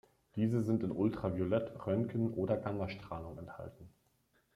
Diese sind in Ultraviolett-, Röntgen- oder Gammastrahlung enthalten.